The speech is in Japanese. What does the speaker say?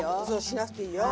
しなくていいよ。